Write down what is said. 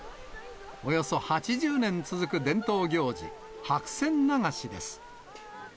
およそ８０年続く伝統行事、白線流しです。